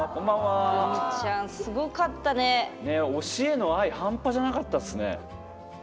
推しへの愛半端じゃなかったですね。